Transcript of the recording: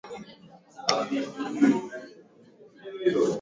kuadhibiwa na tunashukuru hiyo kutungua hiyo ke